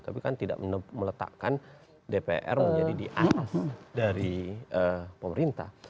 tapi kan tidak meletakkan dpr menjadi diatas dari pemerintah